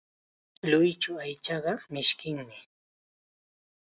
Lluychu aychata mishkinmi.